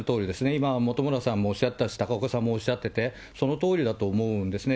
今、本村さんもおっしゃったし、高岡さんもおっしゃってて、そのとおりだと思うんですね。